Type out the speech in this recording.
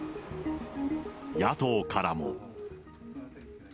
野党からも。